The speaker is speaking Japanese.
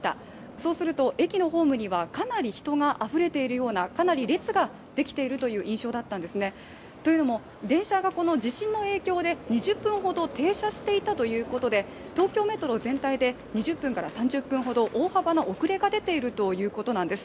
そうすると駅のホームにはかなり人があふれているようなかなり列ができているというような印象だったんですね。というのも電車が地震の影響で２０分ほど停車していたということで東京メトロ全体で２０分から３０分ほど大幅な遅れが出ているということなんです。